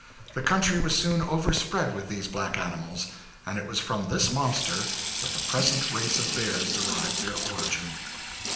The country was soon overspread with these black animals. And it was from this monster that the present race of bears derived their origin.